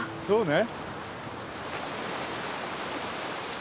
そうね。